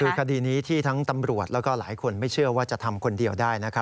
คือคดีนี้ที่ทั้งตำรวจแล้วก็หลายคนไม่เชื่อว่าจะทำคนเดียวได้